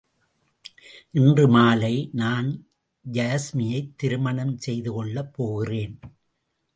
இன்று மாலை நான் யாஸ்மியைத் திருமணம் செய்து கொள்ளப் போகிறேன்.